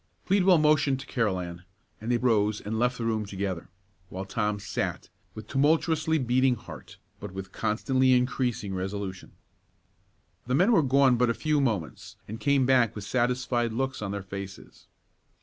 Pleadwell motioned to Carolan, and they rose and left the room together; while Tom sat, with tumultuously beating heart, but with constantly increasing resolution. The men were gone but a few moments, and came back with satisfied looks on their faces.